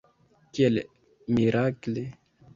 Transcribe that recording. Kiel mirakle!